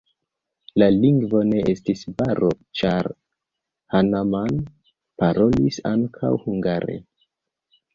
La lingvo ne estis baro, ĉar Hanaman parolis ankaŭ hungare.